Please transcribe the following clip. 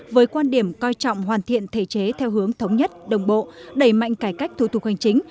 với quan điểm coi trọng hoàn thiện thể chế theo hướng thống nhất đồng bộ đẩy mạnh cải cách thủ tục hành chính